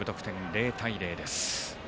０対０です。